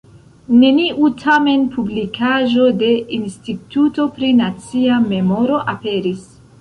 Neniu tamen publikaĵo de Instituto pri Nacia Memoro aperis.